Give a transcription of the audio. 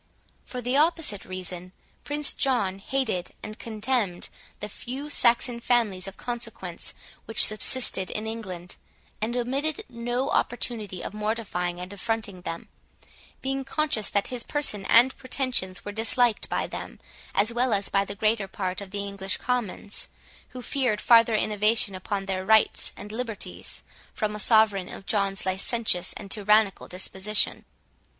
For the opposite reason, Prince John hated and contemned the few Saxon families of consequence which subsisted in England, and omitted no opportunity of mortifying and affronting them; being conscious that his person and pretensions were disliked by them, as well as by the greater part of the English commons, who feared farther innovation upon their rights and liberties, from a sovereign of John's licentious and tyrannical disposition.